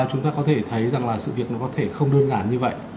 chúng ta có thể thấy rằng là sự việc nó có thể không đơn giản như vậy